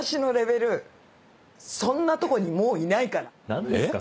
「何ですか？